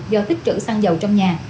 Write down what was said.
do tích trữ xăng dầu trong nhà